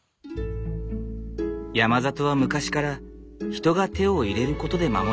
山里は昔から人が手を入れることで守られてきた。